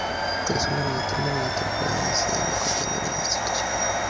Tras una buena temporada decide no continuar en la institución.